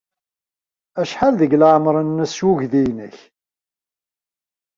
Acḥal deg leɛmeṛ-nnes uydi-nnek?